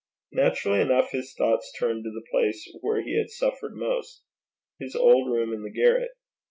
Naturally enough his thoughts turned to the place where he had suffered most his old room in the garret.